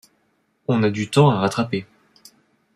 on a du temps à rattraper.